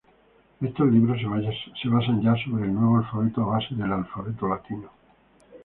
Estos libros se basan ya sobre el nuevo alfabeto a base del alfabeto latino.